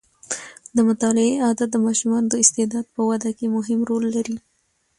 د مطالعې عادت د ماشومانو د استعداد په وده کې مهم رول لري.